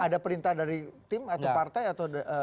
ada perintah dari tim atau partai atau